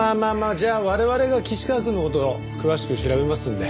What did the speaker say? じゃあ我々が岸川くんの事を詳しく調べますんで。